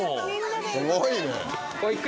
すごいね。